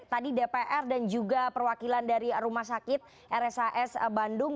tadi dpr dan juga perwakilan dari rumah sakit rshs bandung